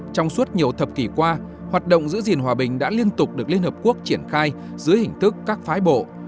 trong suốt nhiều thập kỷ qua hoạt động giữ gìn hòa bình đã liên tục được liên hợp quốc triển khai dưới hình thức các phái bộ